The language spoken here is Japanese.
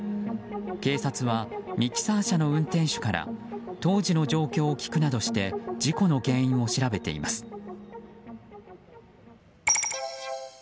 警察はミキサー車の運転手から当時の状況を聞くなどして事故の原因を調べています。